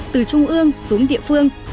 từ trung ương xuống địa phương